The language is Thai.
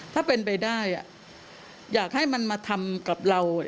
ถ้าเป็นไปได้อยากให้มันมาทำกับเรา